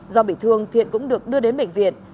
do bị thương thiện cũng được đưa đến bệnh viện